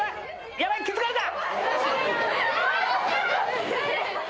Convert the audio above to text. ヤバい気付かれた！